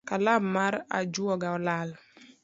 Kalam mar ajuoga olal